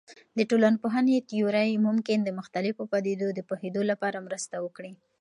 د ټولنپوهنې تیورۍ ممکن د مختلفو پدیدو د پوهیدو لپاره مرسته وکړي.